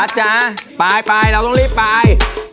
จ๊ะไปเราต้องรีบไป